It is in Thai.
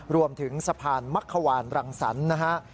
รวมถึงสะพานมักขวานรังสรรค์นะฮะ